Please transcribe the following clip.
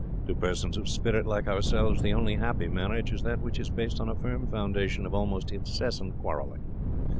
To persons of spirit like ourselves the only happy marriage is that which is based on a firm foundation of almost incessant quarrelling.